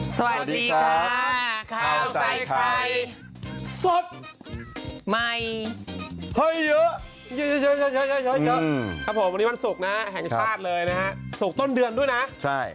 สวัสดีครับข้าวใจใครสดไหมเยอะเยอะเยอะเยอะเยอะครับผมวันนี้มันสุกนะแห่งชาติเลยนะฮะสุกต้นเดือนด้วยนะใช่